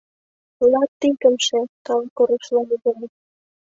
— Ла-ти-кым-ше!!! — калык орышыла мӱгыра.